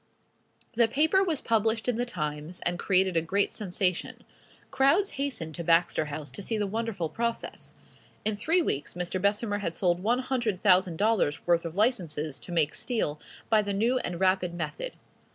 The paper was published in the "Times," and created a great sensation. Crowds hastened to Baxter House to see the wonderful process. In three weeks Mr. Bessemer had sold one hundred thousand dollars worth of licenses to make steel by the new and rapid method.